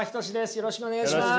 よろしくお願いします。